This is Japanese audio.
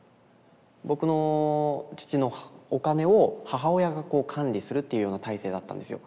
僕の父のお金を母親が管理するっていうような体制だったんですよ。